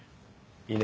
いいね？